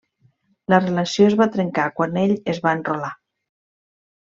La relació es va trencar quan ell es va enrolar.